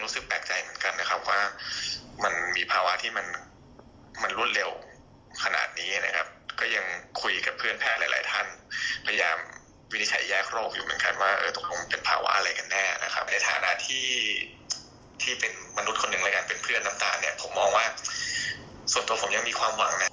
ส่วนตัวผมยังมีความหวังนะ